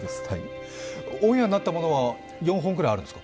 オンエアになったものは４本くらいあるんですか？